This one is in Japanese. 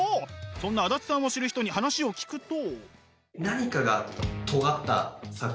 そんな足立さんを知る人に話を聞くと。